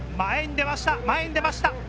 前に出ました。